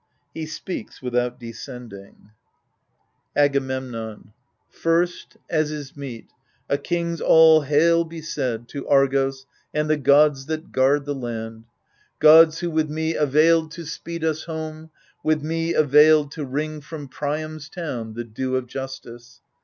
He speaks witkout descending. 36 AGAMEMNON Agamemnon First, as is meet, a king's All hail be said To Argos, and the gods that guard the land — Gods who with me availed to speed us home, With me availed to wring from Priam's town The due of justice.